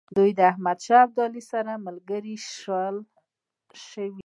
دوی د احمدشاه ابدالي سره ملګري شي.